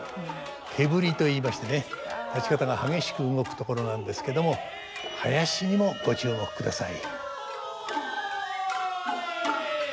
毛振りといいましてね立方が激しく動くところなんですけども囃子にもご注目ください。